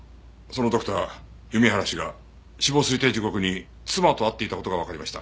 そのドクター弓原氏が死亡推定時刻に妻と会っていた事がわかりました。